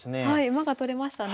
馬が取れましたね